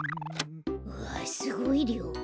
うわすごいりょう。